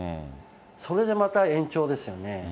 それでまた延長ですよね。